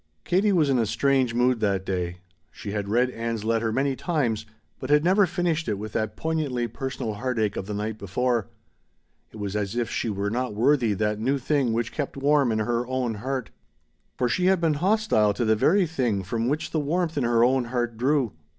Katie was in a strange mood that day. She had read Ann's letter many times, but had never finished it with that poignantly personal heartache of the night before. It was as if she were not worthy that new thing which kept warm in her own heart. For she had been hostile to the very thing from which the warmth in her own heart drew.